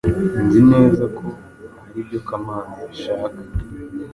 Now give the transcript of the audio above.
Nzi neza ko aribyo Kamana yashaka.